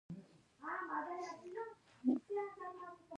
ولایتونه د صنعت لپاره ځینې مواد برابروي.